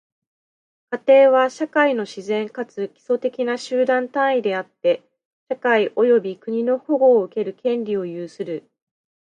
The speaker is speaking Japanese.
家庭は、社会の自然かつ基礎的な集団単位であって、社会及び国の保護を受ける権利を有する。